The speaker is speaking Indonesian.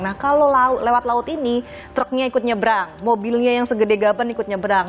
nah kalau lewat laut ini truknya ikut nyebrang mobilnya yang segede gaban ikut nyebrang